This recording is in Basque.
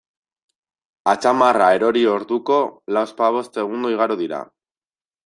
Atzamarra erori orduko, lauzpabost segundo igaro dira?